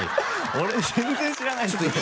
俺全然知らないっすよ